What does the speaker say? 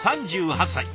３８歳。